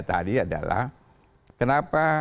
tadi adalah kenapa